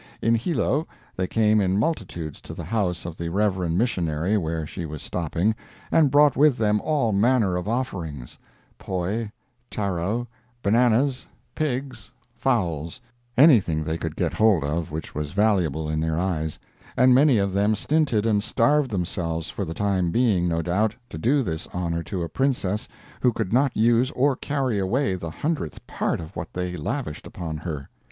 In Hilo, they came in multitudes to the house of the reverend missionary, where she was stopping, and brought with them all manner of offerings—poi, taro, bananas, pigs, fowls—anything they [could] get hold of which was valuable in their eyes—and many of them stinted and starved themselves for the time being, no doubt, to do this honor to a Princess who could not use or carry away the hundredth part of what they lavished upon her.